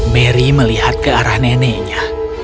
mary melihat ke arah neneknya